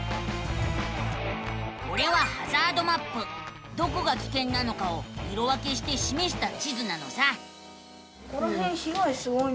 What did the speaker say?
これはどこがきけんなのかを色分けしてしめした地図なのさ。